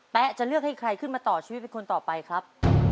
จะเลือกให้ใครขึ้นมาต่อชีวิตเป็นคนต่อไปครับ